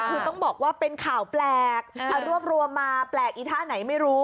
คือต้องบอกว่าเป็นข่าวแปลกรวบรวมมาแปลกอีท่าไหนไม่รู้